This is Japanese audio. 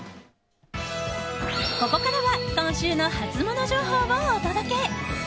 ここからは今週のハツモノ情報をお届け！